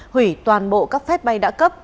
hủy toàn bộ các phép bay đã cấp